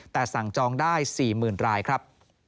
แต่สั่งจองได้๔๐๐๐รายครับ